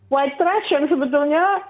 white trash yang sebetulnya